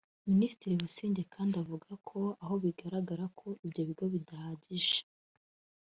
Minisitiri Busingye kandi avuga ko aho bizagaragara ko ibyo bigo bidahagije